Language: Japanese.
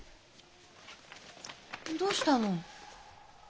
どうしたの？